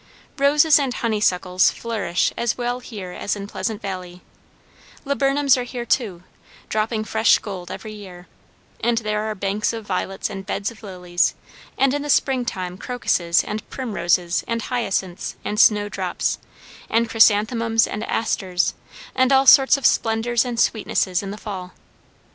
Roses and honeysuckles flourish as well here as in Pleasant Valley; laburnums are here too, dropping fresh gold every year; and there are banks of violets and beds of lilies, and in the spring time crocuses and primroses and hyacinths and snowdrops; and chrysanthemums and asters, and all sorts of splendours and sweetnesses in the fall.